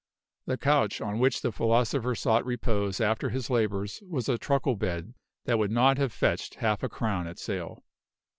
The couch on which the philosopher sought repose after his labors was a truckle bed that would not have fetched half a crown at a sale.